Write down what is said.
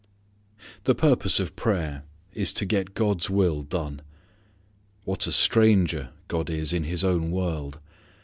The purpose of prayer is to get God's will done. What a stranger God is in His own world!